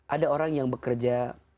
ada orang yang bekerja